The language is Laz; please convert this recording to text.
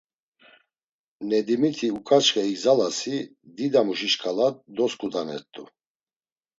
Nedimiti uǩaçxe igzalasi, didamuşi şǩala dosǩudanert̆u.